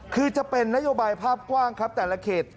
คือจะเป็นนโยบายภาพกว้างครับแต่ละเขต